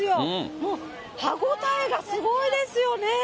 もう歯応えがすごいですよね。